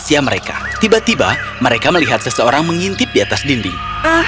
sia mereka tiba tiba mereka melihat seseorang mengintip di atas dinding